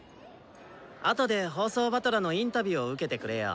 あとで放送師団のインタビューを受けてくれよ。